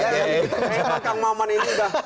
karena kang muhammad ini sudah